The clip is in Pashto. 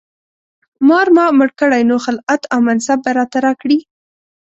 مار ما مړ کړی نو خلعت او منصب به راته راکړي.